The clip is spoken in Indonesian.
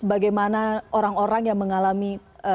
bagaimana orang orang yang mengalami